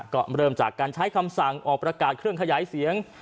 ก็เริ่มจากการใช้คำสั่งออกประกาศเครื่องขยายเสียง